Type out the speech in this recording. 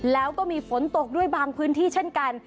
แล้วก็มีฝนตกด้วยบางพื้นที่เช่นกัน